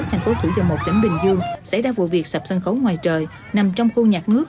thành phố thủ dầu một tỉnh bình dương xảy ra vụ việc sập sân khấu ngoài trời nằm trong khu nhạc nước